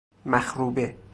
مخروبه